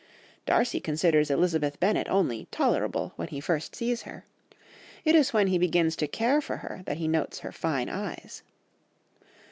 Darcy considers Elizabeth Bennet only "tolerable" when he first sees her, it is when he begins to care for her that he notes her "fine eyes."